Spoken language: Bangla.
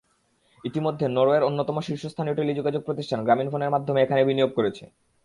ইতিমধ্যে নরওয়ের অন্যতম শীর্ষস্থানীয় টেলিযোগাযোগ প্রতিষ্ঠান গ্রামীণফোনের মাধ্যমে এখানে বিনিয়োগ করেছে।